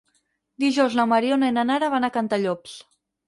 Dijous na Mariona i na Nara van a Cantallops.